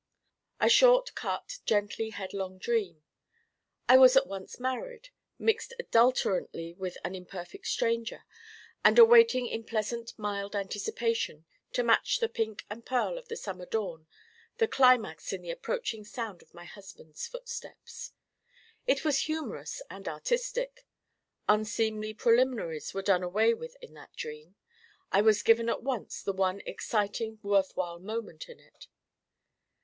A short cut gently headlong dream. I was at once married, mixed adulterantly with an imperfect stranger and awaiting in pleasant mild anticipation, to match the pink and pearl of the summer dawn, the climax in the approaching sound of my husband's footsteps. It was humorous and artistic. Unseemly preliminaries were done away with in that dream. I was given at once the one exciting worthwhile moment in it.